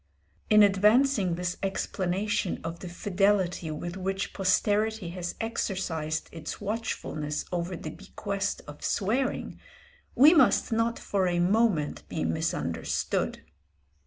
In advancing this explanation of the fidelity with which posterity has exercised its watchfulness over the bequest of swearing, we must not for a moment be misunderstood.